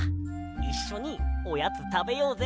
いっしょにおやつたべようぜ。